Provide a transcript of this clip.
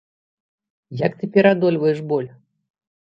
Як ты пераадольваеш боль?